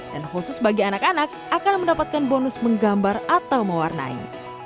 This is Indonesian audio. dan khusus bagi anak anak akan mendapatkan bonus menggambar atau mewarnai